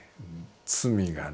罪がね